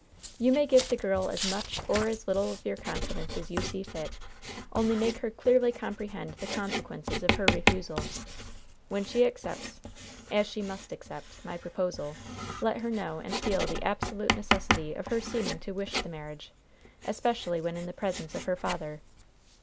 You may give the girl as much or as little of your confidence as you see fit, only make her clearly comprehend the consequences of her refusal. When she accepts, as she must accept, my proposal, let her know and feel the absolute necessity of her seeming to wish the marriage, especially when in the presence of her father.